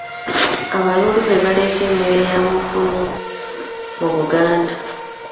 Abaluulu be baaleeta emmere ya mugunu mu Buganda